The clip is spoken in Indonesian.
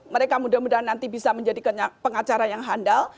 mereka mudah mudahan nanti bisa menjadi pengacara yang handal